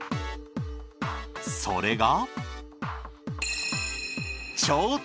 それが。